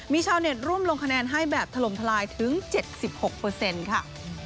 มีชาวเน็ตร่วมลงคะแนนให้แบบถล่มทลายถึง๗๖เปอร์เซ็นต์ค่ะ